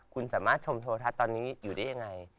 คุณสามารถชมโทรทัศน์ตอนนี้อยู่ได้ยังไง